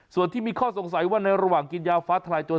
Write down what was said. ส่วนที่มีข้อสงสัยว่าในระหว่างกินยาฟ้าทลายโจร